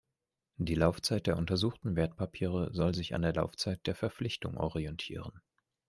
Die Laufzeit der untersuchten Wertpapiere soll sich an der Laufzeit der Verpflichtung orientieren.